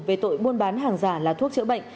về tội buôn bán hàng giả là thuốc chữa bệnh